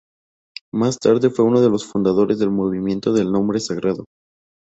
Más tarde fue uno de los fundadores del Movimiento del Nombre Sagrado.